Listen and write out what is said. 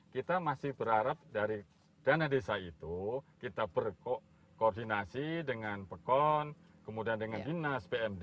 kita masih berharap dari dana desa itu kita berkoordinasi dengan pekon kemudian dengan dinas pmd